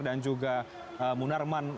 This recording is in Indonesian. dan juga munarman